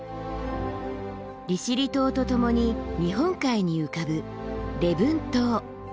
利尻島と共に日本海に浮かぶ礼文島。